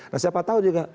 nah siapa tahu dia